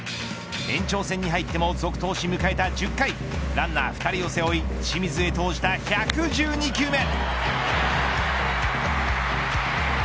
延長戦に入っても続投し迎えた１０回ランナー２人を背負い清水へ投じた１１２球目。